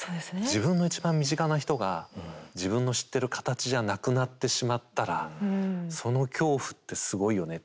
自分の一番身近な人が自分の知ってる形じゃなくなってしまったらその恐怖ってすごいよね。